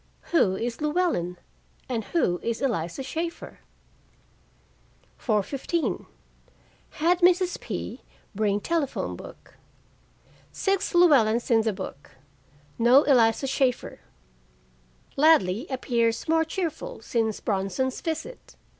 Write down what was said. Who is Llewellyn, and who is Eliza Shaeffer? 4:15 Had Mrs. P. bring telephone book: six Llewellyns in the book; no Eliza Shaeffer. Ladley appears more cheerful since Bronson's visit.